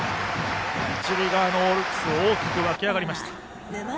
一塁側のアルプスが大きく沸き上がりました。